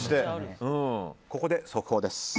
ここで速報です。